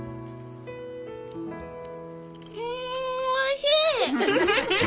んおいしい！